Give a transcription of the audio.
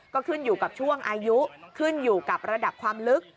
ก็ขึ้นอยู่กับช่วงอายุขึ้นอยู่กับระดับความลึก